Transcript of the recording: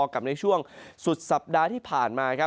กับในช่วงสุดสัปดาห์ที่ผ่านมาครับ